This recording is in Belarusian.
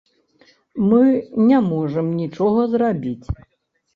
Мы не можам нічога зрабіць.